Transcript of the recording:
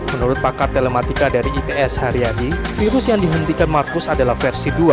menurut pakar telematika dari its haryadi virus yang dihentikan marcus adalah versi dua